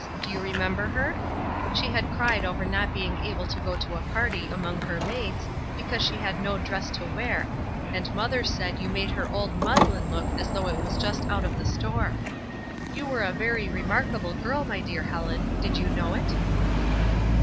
Do you remember her ? She had cried over not being able to go to a party among her mates, because she had no dress to 290 ESTER RIED^S NAMESAKE wear, and mother said you made her old muslin look as though it was just out of the store. You were a very remarkable girl, my dear Helen, did you know it?"